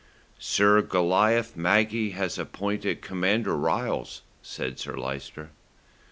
"Sir Goliath Maggie has appointed Commander Ryles," said Sir Lyster.